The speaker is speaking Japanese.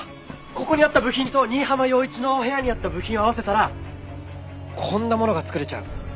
ここにあった部品と新浜陽一の部屋にあった部品を合わせたらこんなものが作れちゃう。